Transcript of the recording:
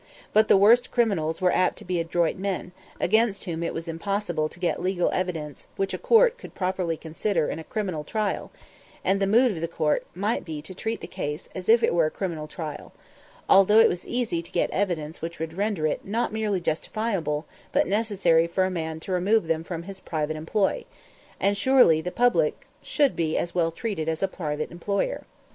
But the worst criminals were apt to be adroit men, against whom it was impossible to get legal evidence which a court could properly consider in a criminal trial (and the mood of the court might be to treat the case as if it were a criminal trial), although it was easy to get evidence which would render it not merely justifiable but necessary for a man to remove them from his private employ and surely the public should be as well treated as a private employer.